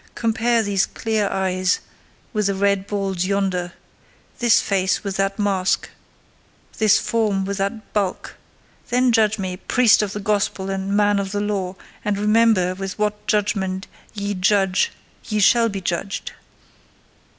Compare these clear eyes with the red balls yonder—this face with that mask—this form with that bulk; then judge me, priest of the gospel and man of the law, and remember with what judgment ye judge ye shall be judged!